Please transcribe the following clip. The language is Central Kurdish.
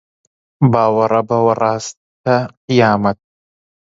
باوەڕە بەوە ڕاستە قیامەت